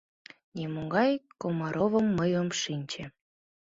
Нимогай Комаровым мый ом шинче...